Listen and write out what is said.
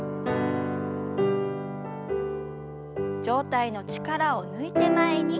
上体の力を抜いて前に。